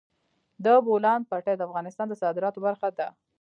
د بولان پټي د افغانستان د صادراتو برخه ده.